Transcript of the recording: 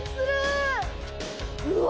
うわ！